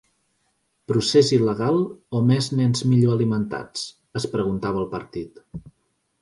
Procés il·legal o més nens millor alimentats?, es preguntava el partit.